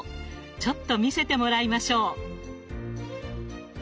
ちょっと見せてもらいましょう。